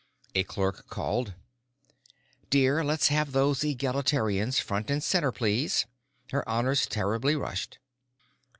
A clerk called: "Dear, let's have those egalitarians front and center, please. Her honor's terribly rushed."